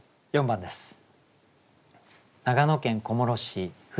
４番です。